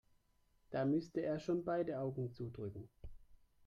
Da müsste er schon beide Augen zudrücken.